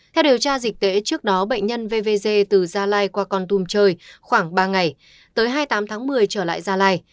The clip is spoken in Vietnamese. theo điều tra dịch tễ trước đó bệnh nhân vvg từ gia lai qua con tum chơi khoảng ba ngày tới hai mươi tám tháng một mươi trở lại gia lai